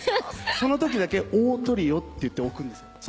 そのときだけ「オートリオ」って言って置くんですよ。